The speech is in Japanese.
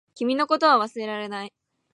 君のことを忘れられない